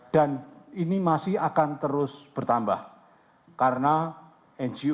dan ini masih akan terus bertambah karena ngo ngo